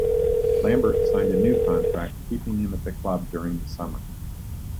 Lambert signed a new contract keeping him at the club during the summer.